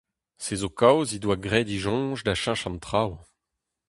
Se zo kaoz he doa graet he soñj da cheñch an traoù.